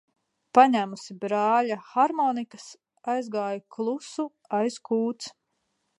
Paņēmusi brāļa harmonikas, aizgāju klusu aiz kūts.